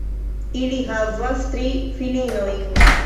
Ili havas tri filinojn.